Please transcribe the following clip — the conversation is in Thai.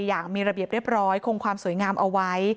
อย่างมีระเบียบเรียบร้อยคงความสวยงามเอาไว้